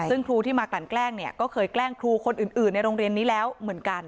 ซึ่งครูที่มากลั่นแกล้งเนี่ยก็เคยแกล้งครูคนอื่นในโรงเรียนนี้แล้วเหมือนกัน